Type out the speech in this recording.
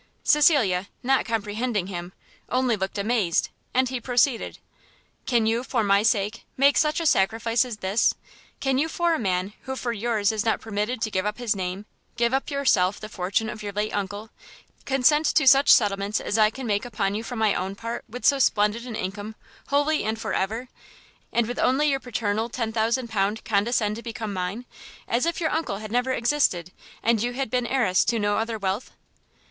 Cecilia, not comprehending him, only looked amazed, and he proceeded. "Can you, for my sake, make such a sacrifice as this? can you for a man who for yours is not permitted to give up his name, give up yourself the fortune of your late uncle? consent to such settlements as I can make upon you from my own? part with so splendid an income wholly and for ever? and with only your paternal L10,000 condescend to become mine, as if your uncle had never existed, and you had been Heiress to no other wealth?"